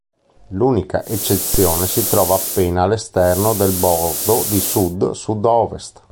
L'unica eccezione si trova appena all'esterno del bordo di sud-sud-ovest.